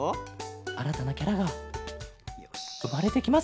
あらたなキャラがうまれてきます